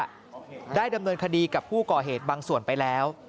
ได้ดำเนินคดีกับผู้ก่อเหตุบางส่วนไปแล้ว